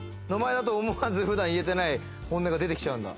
思わず普段言えてない本音が出てきちゃうんだ。